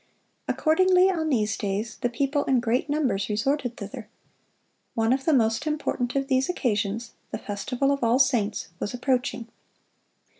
Accordingly on these days the people in great numbers resorted thither. One of the most important of these occasions, the festival of "All Saints," was approaching.